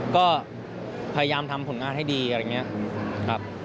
ก็พยายามทำผลงานให้ดีอะไรอย่างนี้ครับ